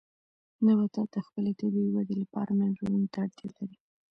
نباتات د خپلې طبیعي ودې لپاره منرالونو ته اړتیا لري.